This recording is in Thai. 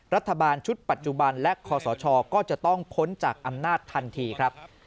รัฐบาลชุดปัจจุบันและคอสชก็จะต้องพ้นจากอำนาจทันทีครับ